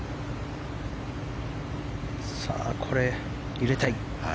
さあ、これは入れたい。